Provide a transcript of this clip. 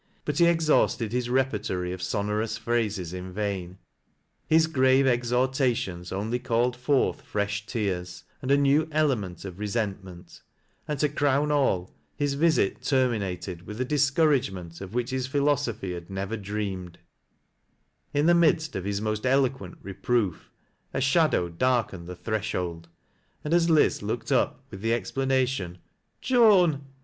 But he exhausted his reper tory of sonorous phrases in vain. His grave exhortations only called forth fresli tears, and a new element of resent ment ; and, to crown all, his visit terminated with a dis X>urage:nent of which his philosophy had never dreamed In the midst of his most eloquent reproof, a shadow darkened the threshold, and as Liz looked up with the ex planation —" Joan